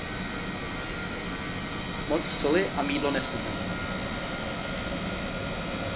Moc soli a mýdlo neztuhne.